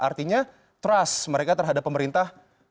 artinya trust mereka terhadap pemerintah untuk mengelola